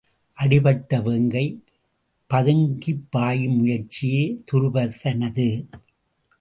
அடிபட்ட வேங்கை பதுங்கிப்பாயும் முயற்சியே துருபதனது.